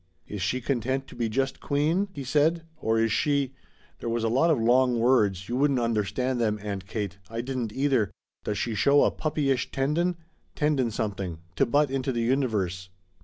"'Is she content to be just Queen,' he said, 'or is she' there was a lot of long words, you wouldn't understand them, Aunt Kate I didn't either 'does she show a puppyish tendon' tendon something 'to butt into the universe?'"